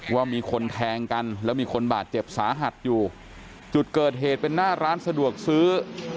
ว่ามีคนแทงกันแล้วมีคนบาดเจ็บสาหัสอยู่จุดเกิดเหตุเป็นหน้าร้านสะดวกซื้อ